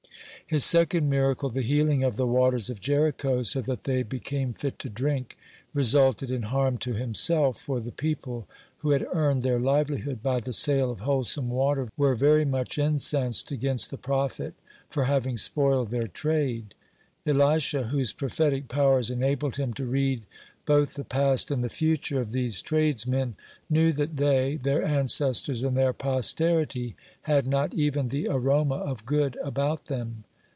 (3) His second miracle, the "healing" of the waters of Jericho, so that they became fit to drink, resulted in harm to himself, for the people who had earned their livelihood by the sale of wholesome water were very much incensed against the prophet for having spoiled their trade. Elisha, whose prophetic powers enabled him to read both the past and the future of these tradesmen, knew that they , their ancestors, and their posterity had "not even the aroma of good about them."